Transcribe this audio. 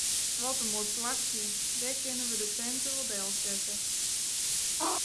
Wat in moai plakje, dêr kinne wy de tinte wol delsette.